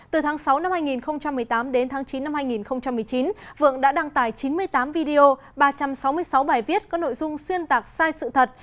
từ tháng sáu năm hai nghìn một mươi tám đến tháng chín năm hai nghìn một mươi chín vượng đã đăng tải chín mươi tám video ba trăm sáu mươi sáu bài viết có nội dung xuyên tạc sai sự thật